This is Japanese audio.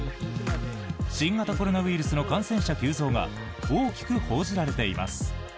新型コロナウイルスの感染者急増が大きく報じられています。